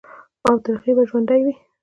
او تر هغې به ژوندے وي،